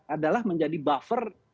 adalah menjadi buffer